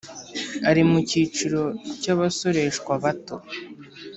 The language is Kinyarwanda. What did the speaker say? Ari mu cyiciro cy abasoreshwa bato